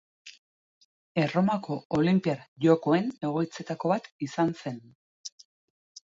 Erromako Olinpiar Jokoen egoitzetako bat izan zen.